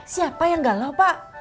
siapa yang galau pak